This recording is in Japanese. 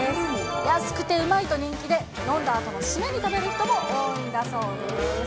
安くてうまいと人気で、飲んだあとの締めに食べる人も多いんだそうです。